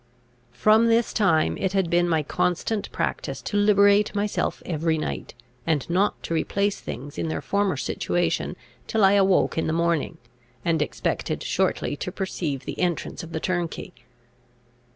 From this time it had been my constant practice to liberate myself every night, and not to replace things in their former situation till I awoke in the morning, and expected shortly to perceive the entrance of the turnkey.